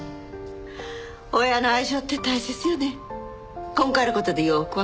親の愛情って大切よね。